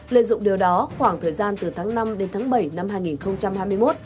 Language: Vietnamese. lợi dụng điều đó khoảng thời gian từ tháng năm đến tháng bảy năm hai nghìn hai mươi một